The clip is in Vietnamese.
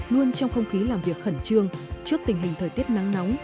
luôn trong không khí làm việc khẩn trương trước tình hình thời tiết nắng nóng